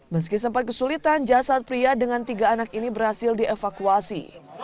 meski sempat kesulitan jasad pria dengan tiga anak ini berhasil dievakuasi